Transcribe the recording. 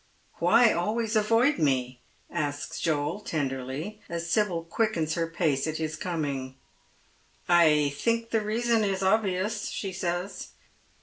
" Why always avoid me ?" asks Joel tenderly, as Sibyl quickens her pace at his coming. " I think the reason is obvious," she says.